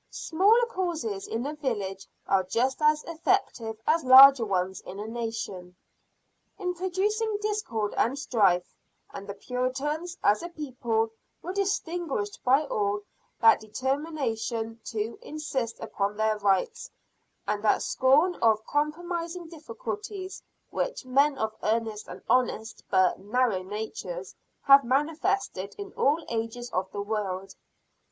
Small causes in a village are just as effective as larger ones in a nation, in producing discord and strife; and the Puritans as a people were distinguished by all that determination to insist upon their rights, and that scorn of compromising difficulties, which men of earnest and honest but narrow natures have manifested in all ages of the world.